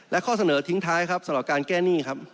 และข้อเสนอทิ้งท้ายครับสำหรับการแก้หนี้ครับ